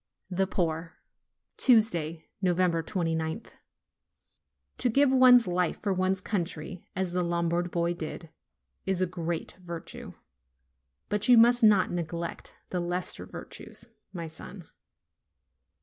THE POOR Tuesday, 29th. To give one's life for one's country as the Lombard boy did, is a great virtue; but you must not neglect the lesser virtues, my son.